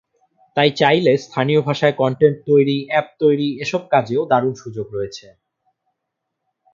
তাই চাইলে স্থানীয় ভাষায় কন্টেন্ট তৈরি, অ্যাপ তৈরি—এসব কাজেও দারুণ সুযোগ রয়েছে।